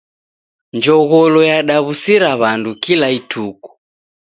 Njogholo yadaw'usira w'andu kila ituku.